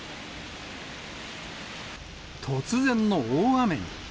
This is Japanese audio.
突然の大雨に。